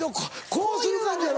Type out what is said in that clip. こうする感じやろ。